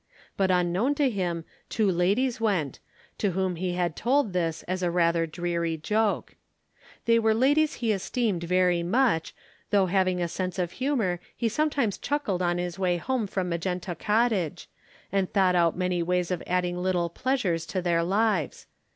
But unknown to him two ladies went, to whom he had told this as a rather dreary joke. They were ladies he esteemed very much, though having a sense of humor he sometimes chuckled on his way home from Magenta Cottage, and he thought out many ways of adding little pleasures to their lives.